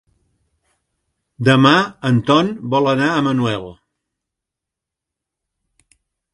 Demà en Ton vol anar a Manuel.